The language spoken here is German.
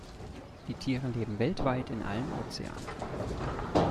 Die Tiere leben weltweit in allen Ozeanen.